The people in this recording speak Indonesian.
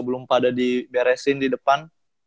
belum pada diberesin di depan